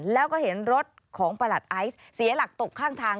แล้วก็เห็นรถของประหลัดไอซ์เสียหลักตกข้างทาง